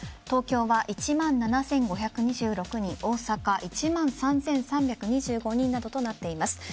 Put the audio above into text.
東京は１万７５２６人大阪、１万３３２５人などとなっています。